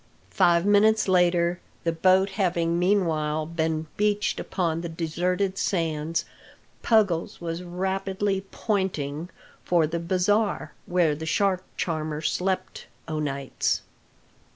Five minutes later, the boat having meanwhile been beached upon the deserted sands, Puggles was rapidly "pointing" for the bazaar, where the shark charmer slept o' nights.